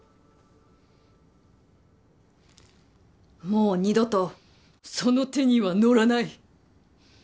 もう二度とその手には乗らない。